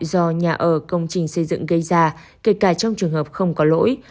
do nhà ở công trình xây dựng gây ra kể cả trong trường hợp không có lỗi